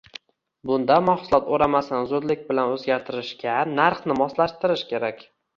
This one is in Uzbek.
Bunda mahsulot o‘ramasini zudlik bilan o‘zgartirishga, narxni moslashtirish kerak.